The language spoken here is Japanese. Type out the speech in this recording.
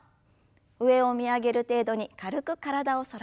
上を見上げる程度に軽く体を反らせます。